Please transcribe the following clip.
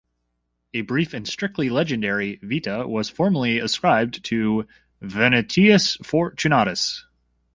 A brief and strictly legendary "Vita" was formerly ascribed to Venantius Fortunatus.